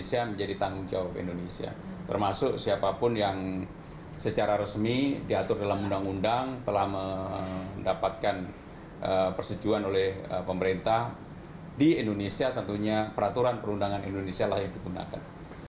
saya tentunya peraturan perundangan indonesia lahir digunakan